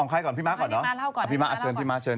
เอาให้ไว้ค่อนพี่ม๊าก่อนเนาะ